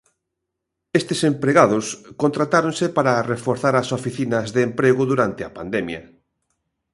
Estes empregados contratáronse para reforzar as oficinas de emprego durante a pandemia.